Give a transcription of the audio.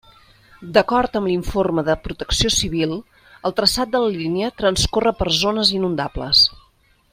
D'acord amb l'informe de Protecció Civil, el traçat de la línia transcorre per zones inundables.